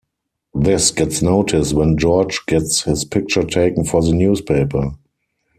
This gets noticed when George gets his picture taken for the newspaper.